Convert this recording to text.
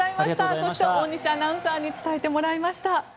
そして大西アナウンサーに伝えてもらいました。